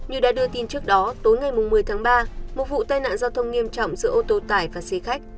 như đã đưa tin trước đó tối ngày một mươi tháng ba một vụ tai nạn giao thông nghiêm trọng giữa ô tô tải và xe khách